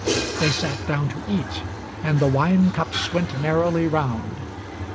They sat down to eat, and the wine cups went merrily round.